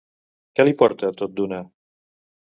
Què li porta, tot d'una?